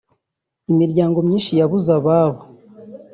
imiryango myinshi yabuze ababo